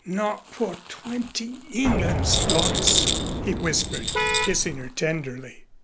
Not for twenty Englands, Doris," he whispered, kissing her tenderly.